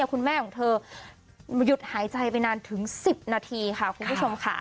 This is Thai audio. คุณแม่ของเธอหยุดหายใจไปนานถึง๑๐นาทีค่ะคุณผู้ชมค่ะ